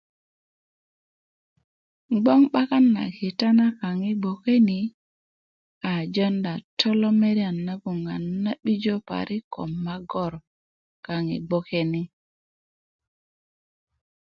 gboŋ 'bakan na kita na kaŋ yi gboke ni jonda tolomeriyan nagon na 'bijo parik magor kaŋ yi gbokeni